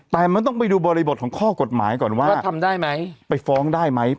แต่มันต้องไปดูบริบทของข้อกฎหมายก่อนว่าว่าทำได้ไหมไปฟ้องได้ไหม